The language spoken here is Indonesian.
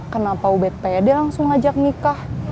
kenapa ubed pede langsung ngajak nikah